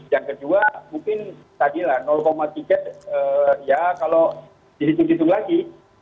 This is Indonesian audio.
yang kedua mungkin tadi lah tiga ya kalau dihitung hitung lagi